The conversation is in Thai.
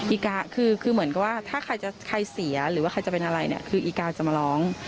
อีกาคือเหมือนกับว่าถ้าใครจะใครเสียหรือว่าใครจะเป็นอะไรเนี่ยคืออีกาจะมาร้อง